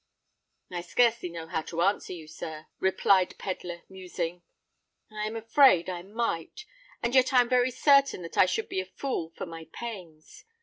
"I scarcely know how to answer you, sir," replied Pedler, musing. "I am afraid I might—and yet I am very certain that I should be a fool for my pains.